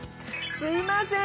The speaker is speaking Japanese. すいません！